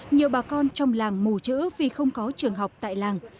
nhiều bà con trong làng mù chữ vì không có trường học tại làng